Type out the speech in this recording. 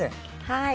はい。